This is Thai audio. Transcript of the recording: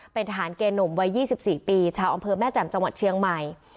เป็นทหารเกณฑ์หนุ่มวัย๒๔ปีชาวอำเภอแม่แจ่มจังหวัดเชียงใหม่